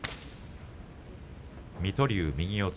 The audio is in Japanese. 水戸龍、右四つ